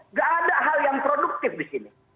nggak ada hal yang produktif di sini